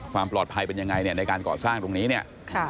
ความปลอดภัยเป็นยังไงเนี่ยในการก่อสร้างตรงนี้เนี่ย